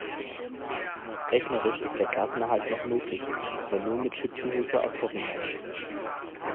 Rechnerisch ist der Klassenerhalt noch möglich, aber nur mit Schützenhilfe aus Hoffenheim.